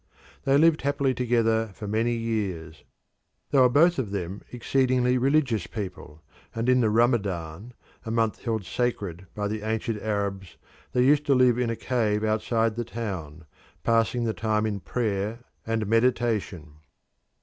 They lived happily together for many years. They were both of them exceedingly religious people, and in the Ramadan, a month held sacred by the ancient Arabs, they used to live in a cave outside the town, passing the time in prayer and meditation.